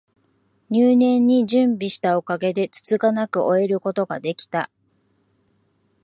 入念に準備したおかげで、つつがなく終えることが出来た